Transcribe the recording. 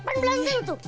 pernah belanjing tuh